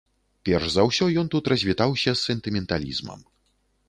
Перш за ўсё ён тут развітаўся з сентыменталізмам.